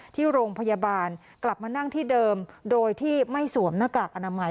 ที่โรงพยาบาลกลับมานั่งที่เดิมโดยที่ไม่สวมหน้ากากอนามัย